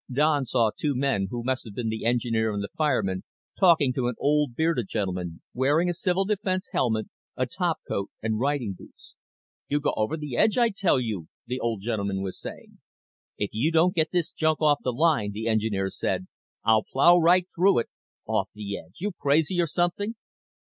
Don saw two men who must have been the engineer and the fireman talking to an old bearded gentleman wearing a civil defense helmet, a topcoat and riding boots. "You'd go over the edge, I tell you," the old gentleman was saying. "If you don't get this junk off the line," the engineer said, "I'll plow right through it. Off the edge! you crazy or something?"